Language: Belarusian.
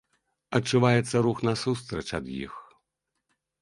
Адчуваецца рух насустрач ад іх.